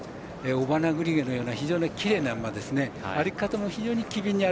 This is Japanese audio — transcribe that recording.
尾花栗毛のような非常にきれいな馬ですね。